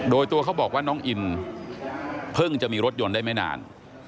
โดยตัวเขาบอกว่าน้องอินเพิ่งจะมีรถยนต์ได้ไม่นาน